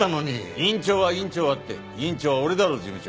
「院長は院長は」って院長は俺だろ事務長。